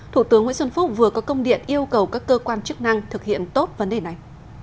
thủ tướng nguyễn xuân phúc vừa có công điện yêu cầu các cơ quan chức năng thực hiện tốt vấn đề này